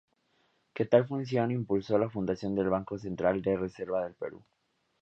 En tal función, impulsó la fundación del Banco Central de Reserva del Perú.